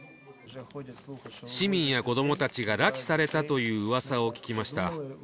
市民や子どもたちが拉致されたといううわさを聞きました。